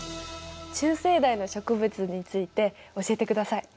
中生代の植物について教えてください。